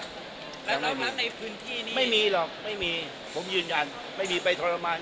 แล้วนอกนั้นในพื้นที่นี้ไม่มีหรอกไม่มีผมยืนยันไม่มีไปทรมาน